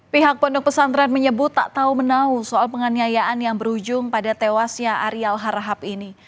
pihak pondok pesantren menyebut tak tahu menau soal penganiayaan yang berujung pada tewasnya arial harahap ini